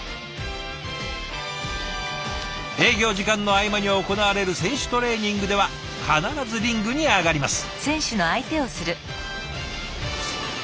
営業時間の合間に行われる選手トレーニングでは必ずリングに上がります。